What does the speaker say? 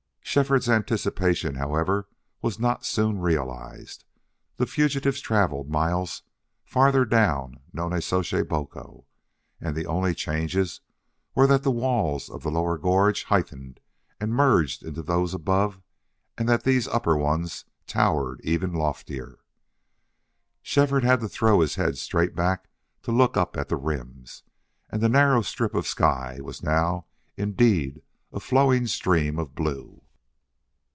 Shefford's anticipation, however, was not soon realized. The fugitives traveled miles farther down Nonnezoshe Boco, and the only changes were that the walls of the lower gorge heightened and merged into those above and that these upper ones towered ever loftier. Shefford had to throw his head straight back to look up at the rims, and the narrow strip of sky was now indeed a flowing stream of blue.